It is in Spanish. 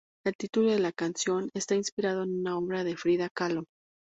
El título de la canción está inspirado en una obra de Frida Kahlo.